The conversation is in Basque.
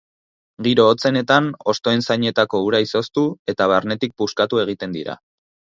Giro hotzenetan, hostoen zainetako ura izoztu eta barnetik puskatu egiten dira.